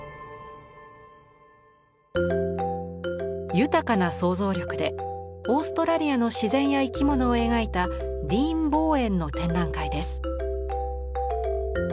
豊かな想像力でオーストラリアの自然や生き物を描いたディーン・ボーエンの展覧会です。